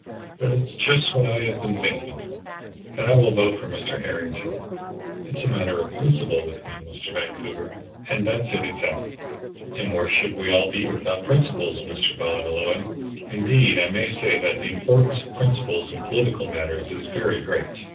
"But it's just what I have been thinking, that I will vote for Mr. Harrington. It's a matter of principle with me, Mr. Vancouver, and that's it exactly." "And where should we all be without principles, Mr. Ballymolloy? Indeed I may say that the importance of principles in political matters is very great."